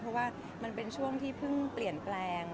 เพราะว่ามันเป็นช่วงที่เพิ่งเปลี่ยนแปลง